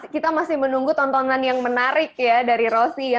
kita masih menunggu tontonan yang menarik ya dari rosi ya